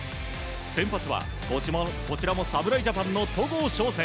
先発は、こちらも侍ジャパン戸郷翔征。